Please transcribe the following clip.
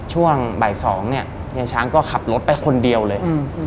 ช่วงบ่าย๒เนี่ยเฮียช้างก็ขับรถไปคนเดียวเลย